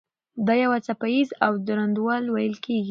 دا یو څپه ایز او دروند ویل کېږي.